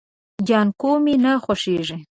جانکو مې نه خوښيږي.